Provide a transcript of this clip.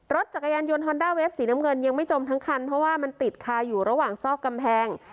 รถจักรยานยนต์ฮอนด้าเวฟสีน้ำเงินยังไม่จมทั้งคันเพราะว่ามันติดคาอยู่ระหว่างซอกกำแพง